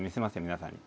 皆さんに。